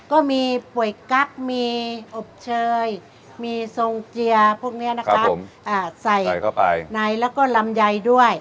ป่วยกั๊กมีอบเชยมีทรงเจียพวกนี้นะคะใส่เข้าไปในแล้วก็ลำไยด้วย